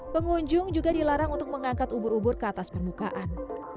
pengunjung juga dilarang untuk mengangkat ubur ubur ke atas permukaan